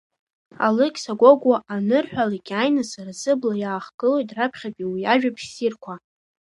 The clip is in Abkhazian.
Алықьса Гогәуа анырҳәалак иааины сара сыбла иаахгылоит раԥхьатәи уи иажәабжь ссирқәа…